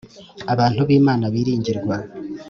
Abantu b’Imana biringirwa